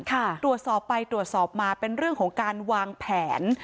ตรวจสอบไปตรวจสอบมาเป็นเรื่องของการวางแผน